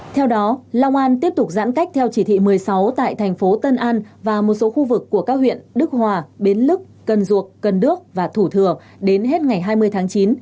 theo đó long an tiếp tục giãn cách theo chỉ thị một mươi sáu tại thành phố tân an và một số khu vực của các huyện đức hòa bến lức cần duộc cần đước và thủ thừa đến hết ngày hai mươi tháng chín